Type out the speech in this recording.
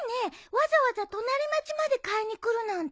わざわざ隣町まで買いに来るなんて。